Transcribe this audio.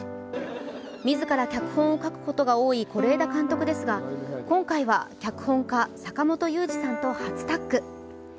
自ら脚本を書くことが多い是枝監督ですが、今回は脚本・坂元裕二さんと初タッグ。